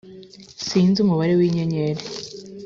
sinzi umubare w’inyenyeri